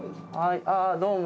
ああどうも。